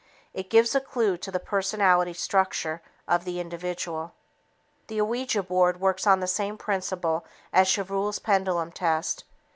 It gives a clue to the personality structure of the individual. The Ouija board works on the same principle as the Chevreul's Pendulum test.